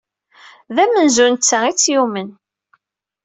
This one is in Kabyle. D amenzug netta ay tt-yumnen.